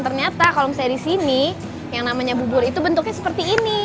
ternyata kalau misalnya di sini yang namanya bubur itu bentuknya seperti ini